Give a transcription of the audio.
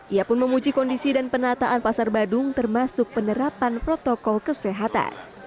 ia pun memuji kondisi dan penataan pasar badung termasuk penerapan protokol kesehatan